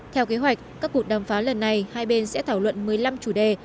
theo kế hoạch các cuộc đàm phán lần này hai bên sẽ thảo luận một mươi năm chủ đề